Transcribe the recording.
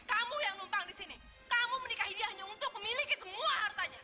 kamu yang numpang di sini kamu menikahi dia hanya untuk memiliki semua hartanya